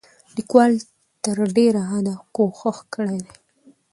لیکوال تر ډېره حده کوښښ کړی دی،